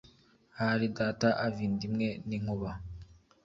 ahari data ava inda imwe n' inkuba